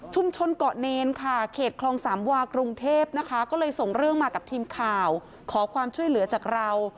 ชนเกาะเนรค่ะเขตคลองสามวากรุงเทพนะคะก็เลยส่งเรื่องมากับทีมข่าวขอความช่วยเหลือจากเรา